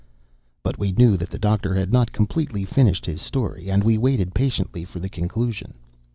But we knew that the Doctor had not completely finished his story, and we waited patiently for the conclusion.